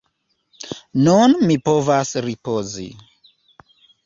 Nun mi povas ripozi.